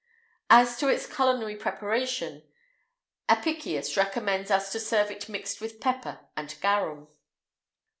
As to its culinary preparation, Apicius recommends us to serve it mixed with pepper and garum.